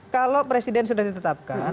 kalau presiden sudah ditetapkan